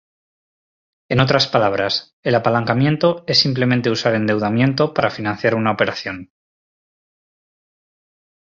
En otras palabras, el apalancamiento es simplemente usar endeudamiento para financiar una operación.